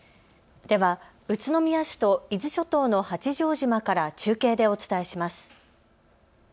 では宇都宮市と伊豆諸島の八丈島から中継でお伝えします。